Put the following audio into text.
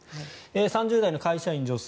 ３０代の会社員女性